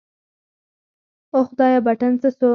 اوه خدايه بټن څه سو.